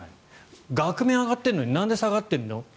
額面は上がっているのになんで下がってるの。